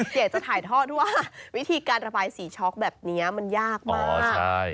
อยากจะถ่ายทอดด้วยว่าวิธีการระบายสีช็อกแบบนี้มันยากมาก